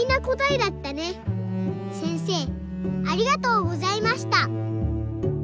せんせいありがとうございました。